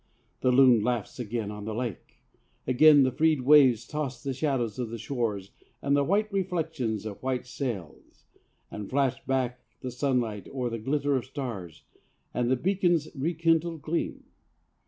The loon laughs again on the lake. Again the freed waves toss the shadows of the shores and the white reflections of white sails, and flash back the sunlight or the glitter of stars and the beacon's rekindled gleam.